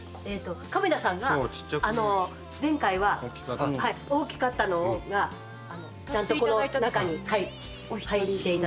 亀田さんが前回は大きかったのがちゃんとこの中に入って頂いて。